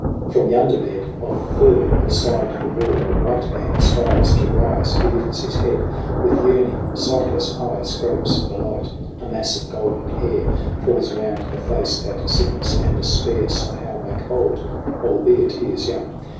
From yonder bed of fur Beside the wall a white man strives to rise. He lifts his head, with yearning sightless eyes Gropes for the light. A mass of golden hair Falls round the face that sickness and despair Somehow make old, albeit he is young.